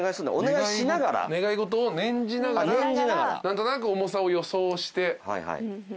願い事を念じながら何となく重さを予想して。